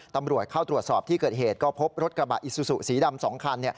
ตำรวจเข้าตรวจสอบที่เกิดเหตุก็พบรถกระบะอิซูซูสีดำ๒คัน